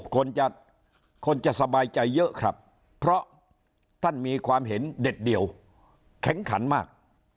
คนจะคนจะสบายใจเยอะครับเพราะท่านมีความเห็นเด็ดเดี่ยวแข็งขันมาก